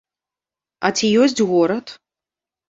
А ці ёсць горад?